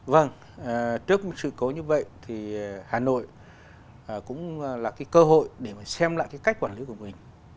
vâng trước một sự cố như vậy thì hà nội cũng là cái cơ hội để mà xem lại cái cách quản lý của mình